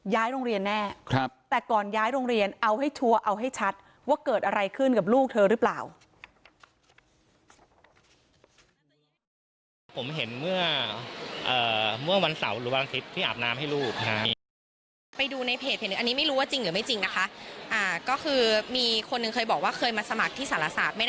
โรงเรียนแน่แต่ก่อนย้ายโรงเรียนเอาให้ชัวร์เอาให้ชัดว่าเกิดอะไรขึ้นกับลูกเธอหรือเปล่า